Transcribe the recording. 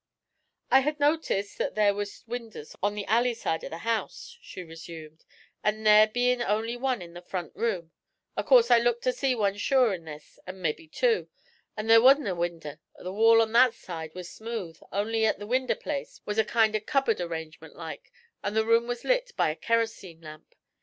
'I had noticed that there was three winders on the alley side of the house,' she resumed, 'an' there bein' only one in the front room, of course I looked to see one sure in this, an' mebbe two, but there wasn't a winder; the wall on that side was smooth, only at the winder place was a kind of cubbard arrangement like, an' the room was lit by a kerosene lamp.